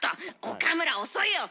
岡村遅いよ。